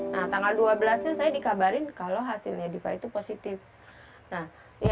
nah tanggal dua belas nya saya dikabarin kalau hasilnya